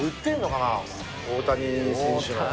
大谷選手。